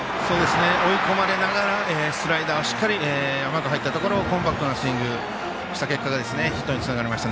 追い込まれながらスライダーをしっかり甘く入ったところコンパクトなスイングしたところヒットにつながりました。